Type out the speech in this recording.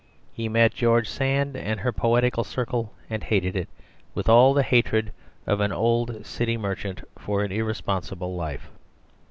He met George Sand and her poetical circle and hated it, with all the hatred of an old city merchant for the irresponsible life.